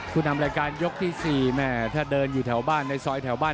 ผู้นำรายการยกที่๔แม่ถ้าเดินอยู่แถวบ้านในซอยแถวบ้าน